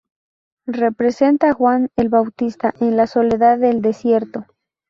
Representa a Juan el Bautista en la soledad del desierto.